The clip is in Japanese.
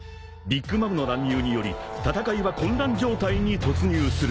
［ビッグ・マムの乱入により戦いは混乱状態に突入する］